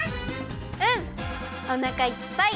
うんおなかいっぱい！